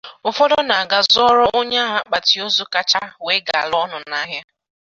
Ụfọdụ na-aga zụọrọ onye ahụ akpati ozu kacha wee galaa ọnụ n'ahịa